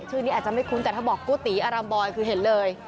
ชื่อนี้อาจจะไม่คุ้นแต่ถ้าบอกกุฏิอารัมบอยคือเห็นเลย